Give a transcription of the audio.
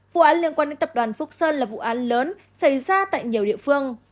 vụ án liên quan đến tập đoàn phúc sơn là vụ án lớn xảy ra tại nhiều địa phương